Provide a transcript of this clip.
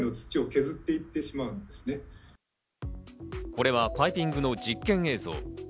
これはパイピングの実験映像。